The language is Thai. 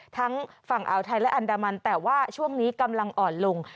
ทั้งฝั่งอ่าวไทยและอันดามันแต่ว่าช่วงนี้กำลังอ่อนลง